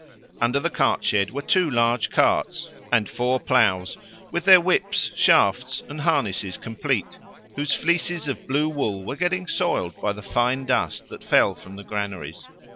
Under the cart shed were two large carts and four ploughs, with their whips, shafts and harnesses complete, whose fleeces of blue wool were getting soiled by the fine dust that fell from the granaries.